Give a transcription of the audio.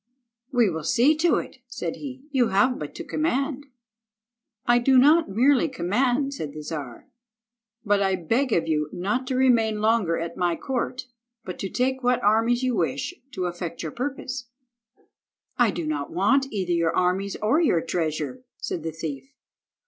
"We will see to it," said he, "you have but to command." "I do not merely command," said the Czar, "but I beg of you not to remain longer at my court, but to take what armies you wish to effect your purpose." "I do not want either your armies or your treasure," said the thief.